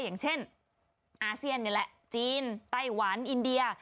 อย่างเช่นอาเซียนนี่แหละจีนไต้หวันอินเดีย